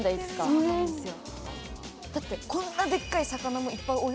そうなんですよ。